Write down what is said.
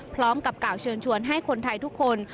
พร้อมกับกล่าวเชิญชวนให้คนไทยทุกคน